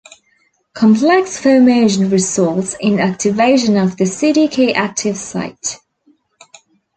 Complex formation results in activation of the Cdk active site.